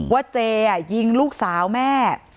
เจยิงลูกสาวแม่